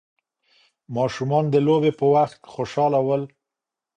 ماشومان د لوبې په وخت خوشحاله ول.